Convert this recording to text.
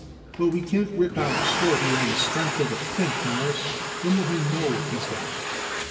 "Well, we can't rip out our store here on the strength of a think, Mawruss. When will he know if he's got it?"